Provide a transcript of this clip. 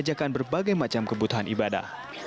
menjajakan berbagai macam kebutuhan ibadah